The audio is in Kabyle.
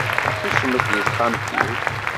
Kecmet deg texxamt-iw.